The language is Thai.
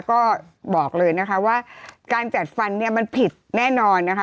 ก็บอกเลยนะคะว่าการจัดฟันเนี่ยมันผิดแน่นอนนะคะ